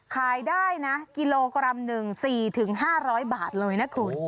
ขายได้นะกิโลกรัม๑๔๕๐๐บาทเลยนะคุณ